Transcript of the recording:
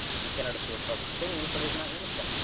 We cannot appeal to public opinion, for it is not uniform.